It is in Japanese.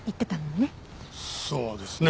そうですね。